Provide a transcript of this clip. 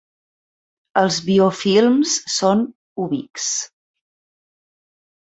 Els biofilms són ubics.